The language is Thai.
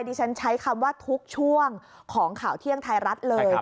ดิฉันใช้คำว่าทุกช่วงของข่าวเที่ยงไทยรัฐเลย